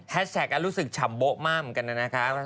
แฮชแท็กรู้สึกฉำโบะมากเหมือนกันนะนะคะ